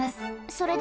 それで？